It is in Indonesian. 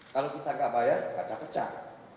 kalau kita nggak bayar kaca pecah